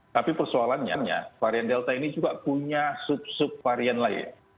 tapi persoalannya varian delta ini juga punya sub sub varian lain